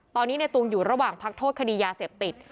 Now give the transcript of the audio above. ตอนนี้ในตูงอยู่ระหว่างพักโทษคดียาเสพติด